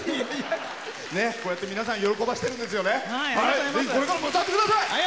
こうやって皆さん喜ばせてるんですよね。